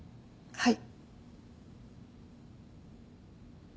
はい。